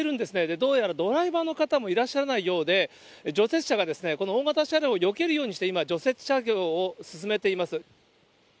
どうやらドライバーの方もいらっしゃらないようで、除雪車がこの大型車両をよけるようにして、今、除雪作業を進めています。